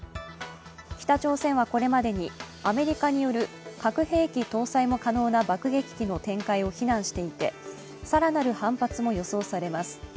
北朝鮮はこれまでに、アメリカによる核兵器搭載も可能な爆撃機の展開を非難していて更なる反発も予想されます。